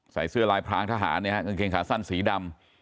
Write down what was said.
ใส่เสื้อลายพรางทหารเนี่ยฮะกางเกงขาสั้นสีดำ